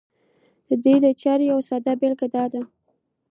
د دې چارې يوه ساده بېلګه دا ده